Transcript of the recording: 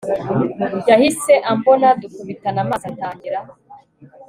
yahise ambona dukubitana amaso atangira